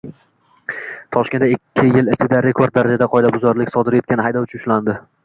Toshkentdaikkiyil ichida rekord darajada qoidabuzarlik sodir etgan haydovchi ushlandi